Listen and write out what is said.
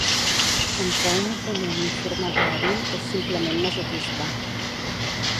Contra un oponent informat o hàbil, és simplement masoquista.